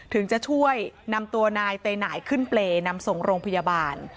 ถึงจะช่วยนำตัวนายเตหน่ายขึ้นเปรย์นำส่งโรงพยาบาล